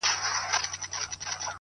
په داسي خوب ویده دی چي راویښ به نه سي,